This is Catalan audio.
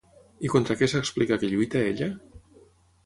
I contra què s'explica que lluita ella?